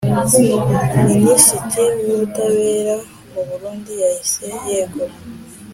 Minisiti w’ubutabera mu Burundi yahise yegura.